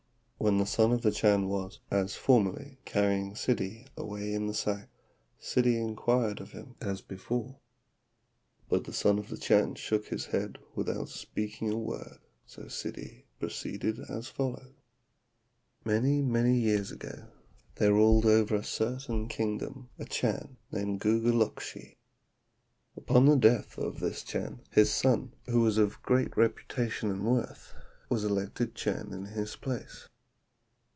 When the Son of the Chan was, as formerly, carrying Ssidi away in the sack, Ssidi inquired of him as before; but the Son of the Chan shook his head without speaking a word, so Ssidi proceeded as follows: "Many, many years ago there ruled over a certain kingdom a Chan named Guguluktschi. Upon the death of this Chan his son, who was of great reputation and worth, was elected Chan in his place.